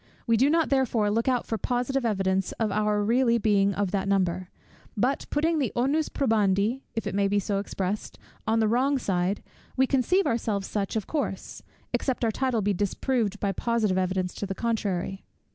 We do not therefore look out for positive evidence of our really being of that number; but putting the onus probandi, (if it may be so expressed) on the wrong side, we conceive ourselves such of course, except our title be disproved by positive evidence to the contrary.